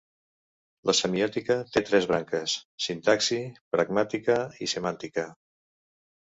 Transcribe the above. La semiòtica té tres branques: sintaxi, pragmàtica i semàntica.